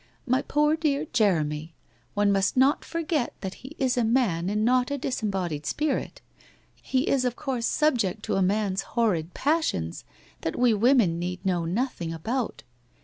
' My poor dear Jeremy ! One must not for get that he is a man and not a disembodied spirit. He is of course subject to a man's horrid passions that we women need know nothing about.